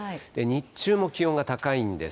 日中も気温が高いんです。